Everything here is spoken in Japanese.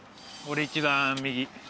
俺一番右。